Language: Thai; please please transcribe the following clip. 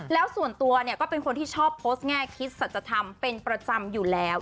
แล้วส่วนตัวเนี่ยก็เป็นคนที่ชอบโพสต์แง่คิดสัจธรรมเป็นประจำอยู่แล้ว